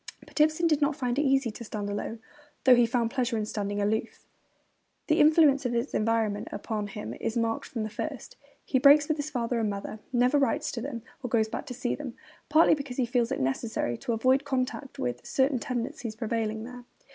But Ibsen did not find it easy to stand alone, though he found pleasure in standing aloof. The influence of his environment upon him is marked from the first. He breaks with his father and mother, never writes to them or goes back to see them; partly because he feels it necessary to avoid contact with 'certain tendencies prevailing there.'